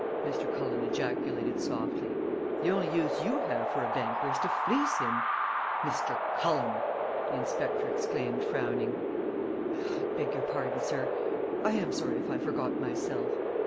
Mr. Cullen ejaculated softly. "The only use you have for a banker is to fleece him!" "Mr. Cullen!" the inspector exclaimed, frowning. "I beg your pardon, sir. I am sorry if I forgot myself."